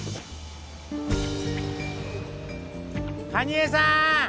蟹江さん。